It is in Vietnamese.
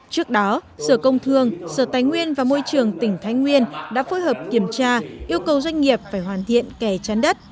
trước đó sở công thương sở thánh nguyên và môi trường tỉnh thánh nguyên đã phối hợp kiểm tra yêu cầu doanh nghiệp phải hoàn thiện kẻ chán đất